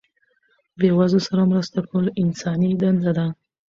بې وزلو سره مرسته کول انساني دنده ده.